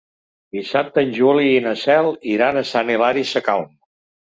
Dissabte en Juli i na Cel iran a Sant Hilari Sacalm.